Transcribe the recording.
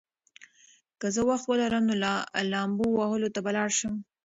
که زه وخت ولرم، نو لامبو وهلو ته به لاړ شم.